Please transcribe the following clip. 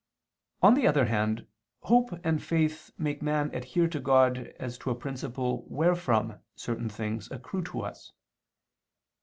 On the other hand, hope and faith make man adhere to God as to a principle wherefrom certain things accrue to us.